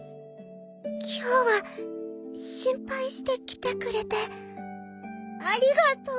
今日は心配して来てくれてありがとう。